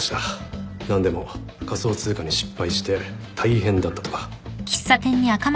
何でも仮想通貨に失敗して大変だったとか。